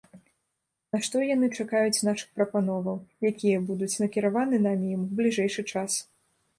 На што яны чакаюць нашых прапановаў, якія будуць накіраваны намі ім у бліжэйшы час.